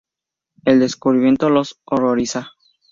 El descubrimiento los horroriza.